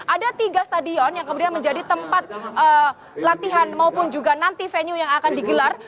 ada tiga stadion yang kemudian menjadi tempat latihan maupun juga nanti venue yang akan digelar